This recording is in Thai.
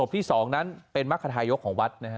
ที่สองกลุ่มนั้นเป็นมรรคทายกของวัด